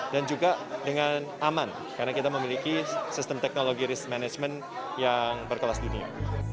dan juga dengan aman karena kita memiliki sistem teknologi risk management yang berkelas dunia